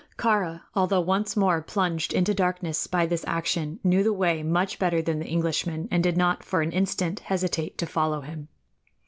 Kāra, although once more plunged into darkness by this action, knew the way much better than the Englishman, and did not for an instant hesitate to follow him.